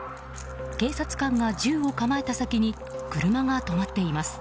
警察官が銃を構えた先に車が止まっています。